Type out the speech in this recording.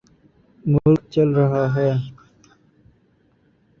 ملک چل رہا ہے۔